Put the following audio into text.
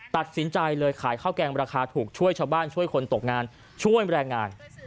ตัดสินใจเลยขายข้าวแกงราคาถูกช่วยชาวบ้านช่วยคนตกงานช่วยแรงงาน